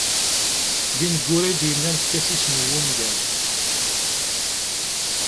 D ineggura i d-yennan efk-as isem n wungal.